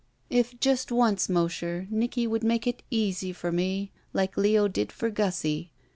"If just once, Mosher, Nicky would make it easy for me, like Leo did for Gussie.